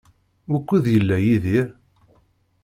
Wukud yella Yidir?